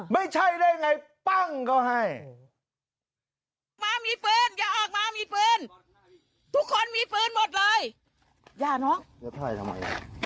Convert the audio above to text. ไม่ใช่ได้ไงปั้่งเขาให้